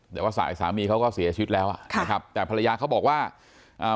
แต่ว่าสายสามีเขาก็เสียชีวิตแล้วอ่ะค่ะนะครับแต่ภรรยาเขาบอกว่าอ่า